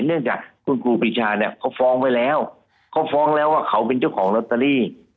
เนื่องจากคุณครูปีชาเนี่ยเขาฟ้องไว้แล้วเขาฟ้องแล้วว่าเขาเป็นเจ้าของลอตเตอรี่